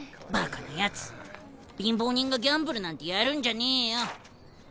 貧乏人がギャンブルなんてやるんじゃねえよ。